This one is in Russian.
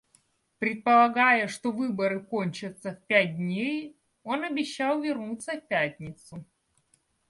Предполагая, что выборы кончатся в пять дней, он обещал вернуться в пятницу.